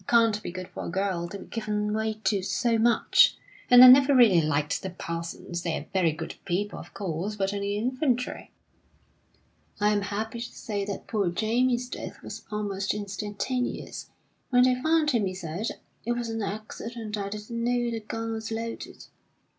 It can't be good for a girl to be given way to so much; and I never really liked the Parsons. They're very good people, of course; but only infantry! "I am happy to say that poor Jamie's death was almost instantaneous. When they found him he said: 'It was an accident; I didn't know the gun was loaded.'